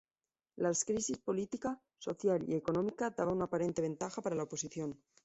La crisis política, social y económica daba una aparente ventaja para la oposición.